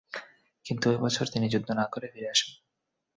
কিন্তু ঐ বছর তিনি যুদ্ধ না করে ফিরে আসেন।